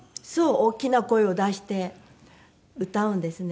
大きな声を出して歌うんですね。